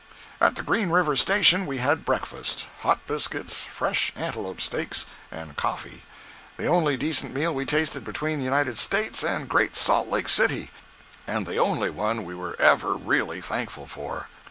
At the Green River station we had breakfast—hot biscuits, fresh antelope steaks, and coffee—the only decent meal we tasted between the United States and Great Salt Lake City, and the only one we were ever really thankful for.